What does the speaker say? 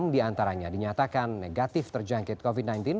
enam diantaranya dinyatakan negatif terjangkit covid sembilan belas